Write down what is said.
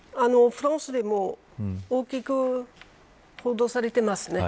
フランスでも大きく報道されていますね。